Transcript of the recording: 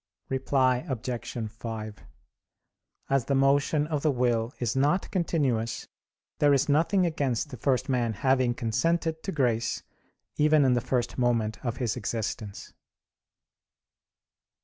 Reply Obj. 5: As the motion of the will is not continuous there is nothing against the first man having consented to grace even in the first moment of his existence.